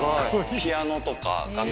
ピアノとか楽器。